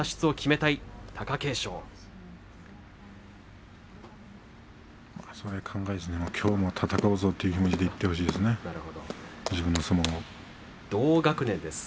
そういうことを考えずに戦うぞという気持ちでいってほしいですね。